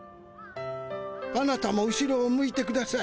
あなたも後ろを向いてください。